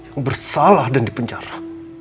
yang bersalah dan dipenjara